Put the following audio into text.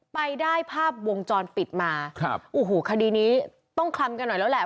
ไปได้ภาพวงจรปิดมาครับโอ้โหคดีนี้ต้องคลำกันหน่อยแล้วแหละ